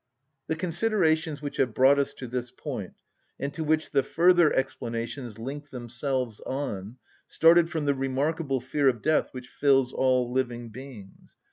The considerations which have brought us to this point, and to which the further explanations link themselves on, started from the remarkable fear of death which fills all living beings.